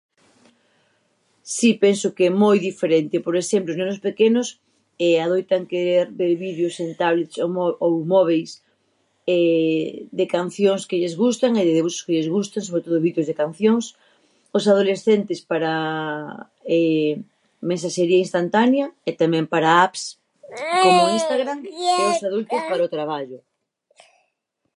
Si, penso que é moi diferente, por exemplo, os nosos pequenos [vacilacións] adoitan querer ver vídeos en tablets ou mob- ou móbiles de cancións que lle gustan ou vídeos que lle gustan, sobre todo vídeos de cancións, os adolescentes para [vacilacións] mensaxería instantánea e tamén para apps, como instagram, [ruído] e os adultos para o traballo.